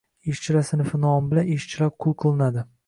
ishchilar sinfi nomi bilan – ishchilar qul qilinadi;